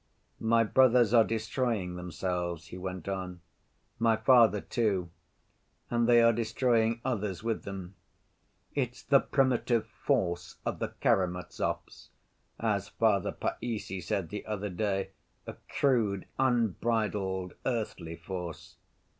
"My brothers are destroying themselves," he went on, "my father, too. And they are destroying others with them. It's 'the primitive force of the Karamazovs,' as Father Païssy said the other day, a crude, unbridled, earthly force.